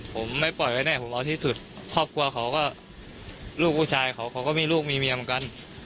ผมไม่ปล่อยไว้แน่ผมเอาที่สุดครอบครัวเขาก็ลูกผู้ชายเขาเขาก็มีลูกมีเมียเหมือนกัน